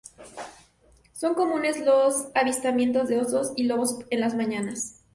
Son comunes los avistamientos de osos y lobos en las montañas.